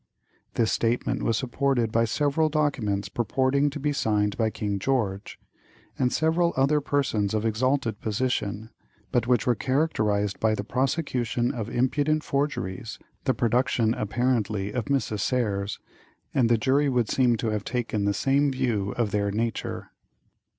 This statement was supported by several documents purporting to be signed by King George, and several other persons of exalted position, but which were characterized by the prosecution as impudent forgeries, the production, apparently, of Mrs. Serres, and the jury would seem to have taken the same view of their nature.